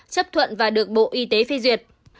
chấp thuận và được bộ y tế phê duyệt